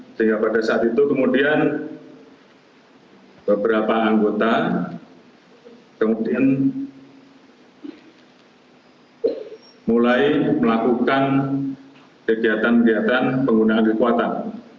sehingga pada saat itu kemudian beberapa anggota kemudian mulai melakukan kegiatan kegiatan penggunaan kekuatan